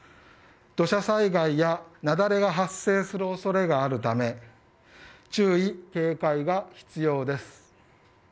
土砂災害や雪崩が発生する恐れがあるため注意、警戒が必要です。